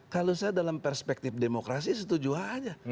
kalau saya dalam perspektif demokrasi setuju aja